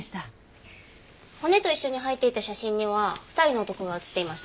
骨と一緒に入っていた写真には２人の男が写っていました。